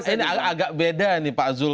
ini agak beda nih pak zul